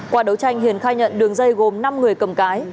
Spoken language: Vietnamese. qua đấu tranh hiền khai nhận đường dây gồm năm người cầm cái